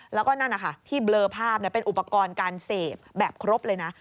แล้วก็นั่นนะคะที่เบลอภาพเป็นอุปกรณ์การเสพแบบครบเลยนะ